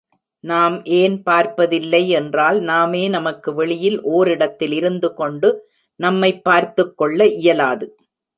நாம் ஏன் பார்ப்பதில்லை என்றால், நாமே நமக்கு வெளியில் ஓரிடத்தில் இருந்து கொண்டு நம்மைப் பார்த்துக்கொள்ள இயலாது.